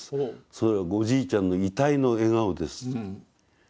おじいちゃんの遺体の笑顔です。